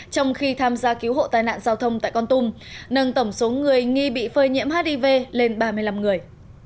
trong khi tham gia cứu hộ tai nạn giao thông tại con tum nâng tổng số người nghi bị phơi nhiễm hiv lên ba mươi năm người